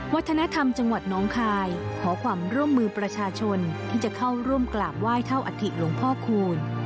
วัฒนธรรมจังหวัดน้องคายขอความร่วมมือประชาชนที่จะเข้าร่วมกราบไหว้เท่าอัฐิหลวงพ่อคูณ